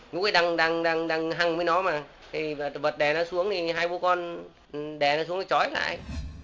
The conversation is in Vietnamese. ngũ ấy đang hăng với nó mà bật đẻ nó xuống thì hai bố con đè nó xuống nó trói lại